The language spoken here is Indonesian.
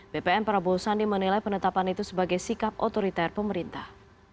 bpn prabowo sandi menilai penetapan itu sebagai sikap otoriter pemerintah